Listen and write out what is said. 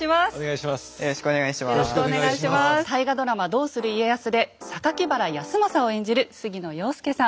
「どうする家康」で原康政を演じる杉野遥亮さん。